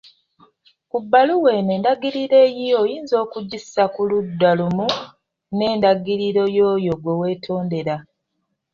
Ku bbaluwa eno endagiriro eyiyo oyinza okugissa ku ludda lumu n’endagiriro y’oyo gwe weetondera.